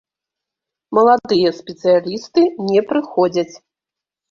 Маладыя спецыялісты не прыходзяць.